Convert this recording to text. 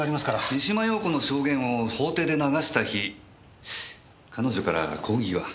三島陽子の証言を法廷で流した日彼女から抗議は？